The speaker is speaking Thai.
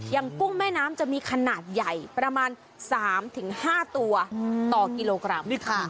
ยังกุ้งแม่น้ำจะมีขนาดใหญ่ประมาณสามถึงห้าตัวต่อกิโลกรัมนี่คือ